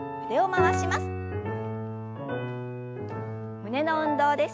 胸の運動です。